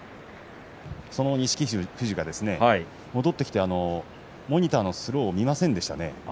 その錦富士が戻ってきてモニターのスローを見ませんでしたね。